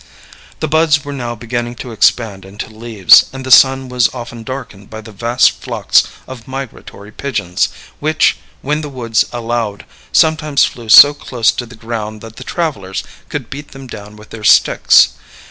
The buds were now beginning to expand into leaves, and the sun was often darkened by the vast flocks of migratory pigeons, which, when the woods allowed, sometimes flew so close to the ground that the travelers could beat them down with their sticks.